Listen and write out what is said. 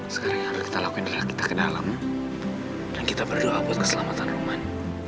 sekarang yang harus kita lakukan adalah kita ke dalam dan kita berdoa buat keselamatan rumahnya